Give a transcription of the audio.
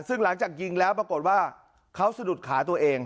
ซึ่งหลังจากยิงแล้วปรากฏว่าเขาสะดุดขาตัวเอง